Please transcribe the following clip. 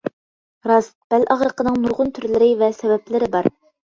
راست، بەل ئاغرىقىنىڭ نۇرغۇن تۈرلىرى ۋە سەۋەبلىرى بار.